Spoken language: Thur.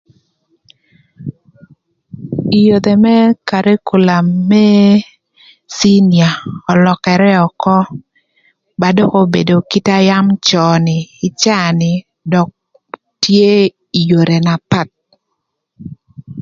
Yodhi më karikulam më cinia ölökërë ökö ba dökï obedo kite na yam cön ni ï caa ni, dök tye ï yore na path.